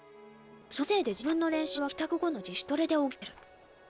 そのせいで自分の練習は帰宅後の自主トレで補ってる。